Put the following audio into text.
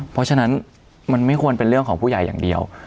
เพราะฉะนั้นมันไม่ควรเป็นเรื่องของผู้ใหญ่อย่างเดียว